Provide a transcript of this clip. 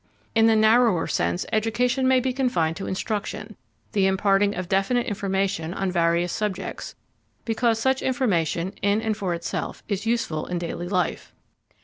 In the narrower sense, education may be confined to instruction, the imparting of definite information on various subjects, because such information, in and for itself, is useful in daily life.